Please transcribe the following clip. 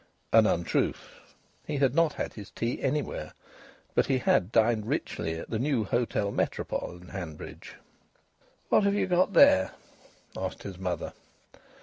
An untruth! He had not had his tea anywhere. But he had dined richly at the new Hôtel Métropole, Hanbridge. "What have ye got there?" asked his mother.